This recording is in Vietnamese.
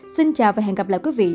xin chào và hẹn gặp lại quý vị